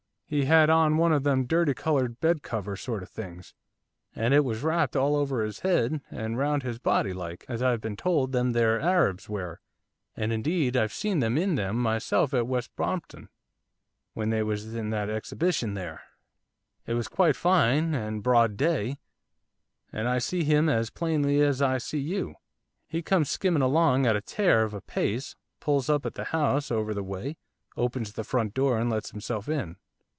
He had on one of them dirty coloured bed cover sort of things, and it was wrapped all over his head and round his body, like, as I have been told, them there Arabs wear, and, indeed, I've seen them in them myself at West Brompton, when they was in the exhibition there. It was quite fine, and broad day, and I see him as plainly as I see you, he comes skimming along at a tear of a pace, pulls up at the house over the way, opens the front door, and lets himself in.